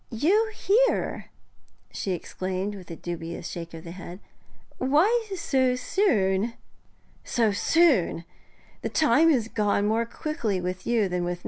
'You here?' she exclaimed, with a dubious shake of the head. 'Why so soon?' 'So soon! The time has gone more quickly with you than with me, Mrs. Baxendale.'